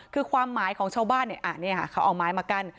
คือความหมายของชาวบ้านเนี้ยอ่ะเนี้ยค่ะเขาเอาไม้มากั้น